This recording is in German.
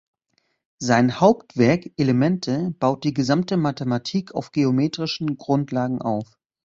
Sein Hauptwerk „Elemente“ baut die gesamte Mathematik auf geometrischen Grundlagen auf.